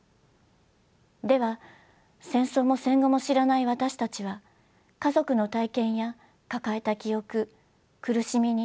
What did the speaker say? では戦争も戦後も知らない私たちは家族の体験や抱えた記憶苦しみにどう向き合えばよいのでしょう。